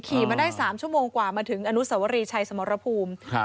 ขี่มาได้สามชั่วโมงกว่ามาถึงอนุสวรีชัยสมรภูมิครับ